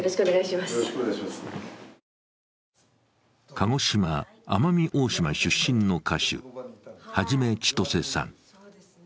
鹿児島・奄美大島出身の歌手、元ちとせさん。